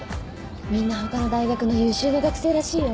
みんなほかの大学の優秀な学生らしいよ。